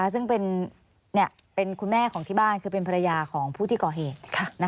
ซึ่งเป็นคุณแม่ของที่บ้านคือเป็นภรรยาของผู้ที่ก่อเหตุ